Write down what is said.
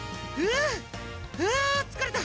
フあつかれた！